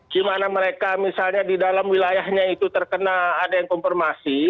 di mana mereka misalnya di dalam wilayahnya itu terkena ada yang konfirmasi